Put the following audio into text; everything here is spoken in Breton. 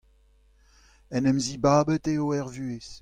En em zibabet eo er vuhez.